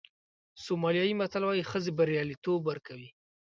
سومالیایي متل وایي ښځې بریالیتوب ورکوي.